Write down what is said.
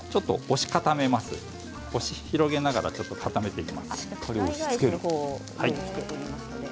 押し広げながら固めていきます。